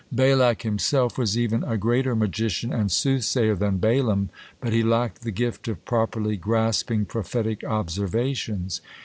Balak himself was even a greater magician and soothsayer than Balaam, but he lacked the gift of properly grasping prophetic observations.